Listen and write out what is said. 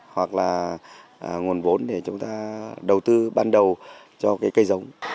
hoặc là nguồn vốn để chúng ta đầu tư ban đầu cho cái cây giống